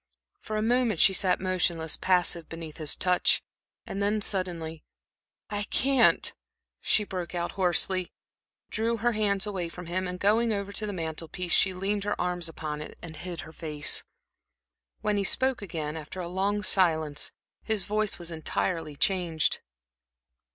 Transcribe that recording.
For a moment she sat motionless, passive beneath his touch, and then suddenly: "I can't," she broke out, hoarsely, drew her hands away from him, and going over to the mantel piece, she leaned her arms upon it and hid her face. When he spoke again, after a long silence, his voice was entirely changed.